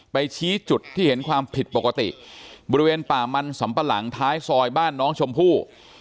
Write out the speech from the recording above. ชี้จุดที่เห็นความผิดปกติบริเวณป่ามันสำปะหลังท้ายซอยบ้านน้องชมพู่